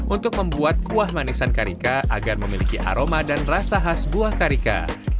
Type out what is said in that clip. untuk membuat kuah manisan karika agar memiliki aroma dan rasa khas buah karika